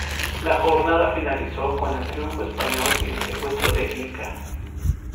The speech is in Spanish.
La jornada finalizó con el triunfo español y el secuestro del inca.